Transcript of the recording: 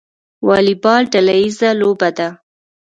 والیبال ډله ییزه لوبه ده